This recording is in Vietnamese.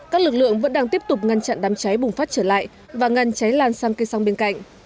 các lực lượng vẫn đang tiếp tục ngăn chặn đám cháy bùng phát trở lại và ngăn cháy lan sang cây xăng bên cạnh